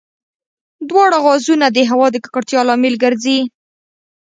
دواړه غازونه د هوا د ککړتیا لامل ګرځي.